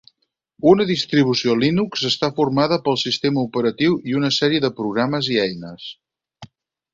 Una distribució Linux està formada pel sistema operatiu i una sèrie de programes i eines.